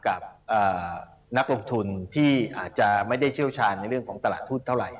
กับนักลงทุนที่อาจจะไม่ได้เชี่ยวชาญในเรื่องของตลาดทุนเท่าไหร